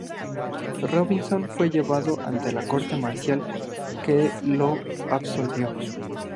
Robinson fue llevado ante una corte marcial, que lo absolvió.